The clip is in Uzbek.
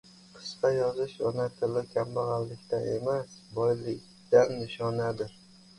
Qisqa yozish ona tili kambag‘alligidan emas, boyligidan nishonadir;